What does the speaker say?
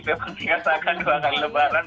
memang biasa kan dua kali lebaran